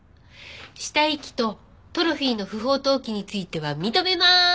死体遺棄とトロフィーの不法投棄については認めまーす！